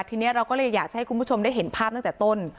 ทีนี้เราก็เลยอยากจะให้คุณผู้ชมได้เห็นภาพตั้งแต่ต้น